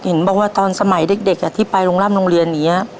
เห็นบอกว่าตอนสมัยเด็กที่ไปโรงร่ำโรงเรียนอย่างนี้